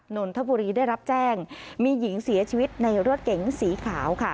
นนทบุรีได้รับแจ้งมีหญิงเสียชีวิตในรถเก๋งสีขาวค่ะ